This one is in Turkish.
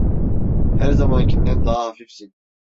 Her zamankinden daha hafifsin…